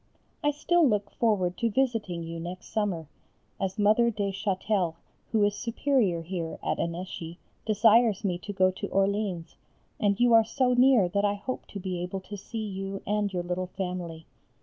I still look forward to visiting you next summer, as Mother de Châtel, who is Superior here (at Annecy), desires me to go to Orleans, and you are so near that I hope to be able to see you and your little family.